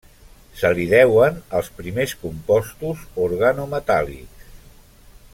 Se li deuen els primers compostos organometàl·lics.